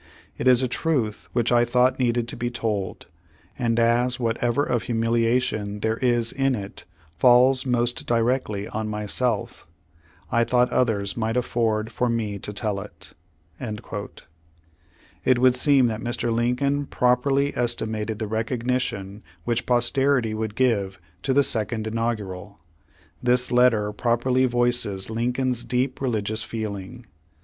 It is a truth which I thought needed to be told, and as whatever of humiliation there is in it falls most directly on myself, I thought others might afford for me to tell it." It would seem that Mr. Lincoln properly esti mated the recognition which posterity would give to the Second Inaugural. This letter properly voices Lincoln's deep religious feeling.